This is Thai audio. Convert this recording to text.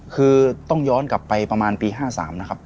คือต้องย้อนกลับไปประมาณปี๕๓นะครับ